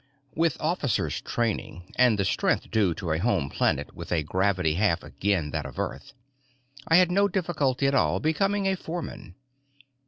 With officer's training and the strength due to a home planet with a gravity half again that of Earth, I had no difficulty at all becoming a foreman.